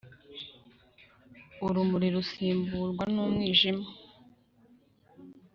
urumuri rusimburwa n’umwijima,